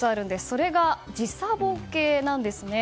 それが、時差ボケなんですね。